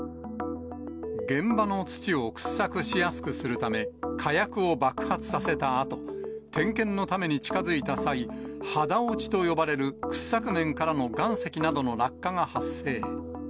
現場の土を掘削しやすくするため、火薬を爆発させたあと、点検のために近づいた際、肌落ちと呼ばれる、掘削面からの岩石などの落下が発生。